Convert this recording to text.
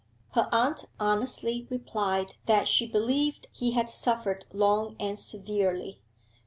Her aunt honestly replied that she believed he had suffered long and severely.